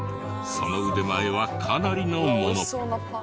その腕前はかなりのもの。